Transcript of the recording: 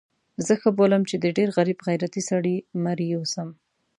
زه ښه بولم چې د ډېر غریب غیرتي سړي مریی اوسم.